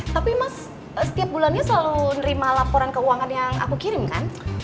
tapi mas setiap bulannya selalu nerima laporan keuangan yang aku kirim kan